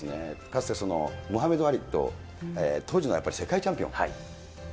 かつて、モハメド・アリと、当時のやっぱり世界チャンピオン。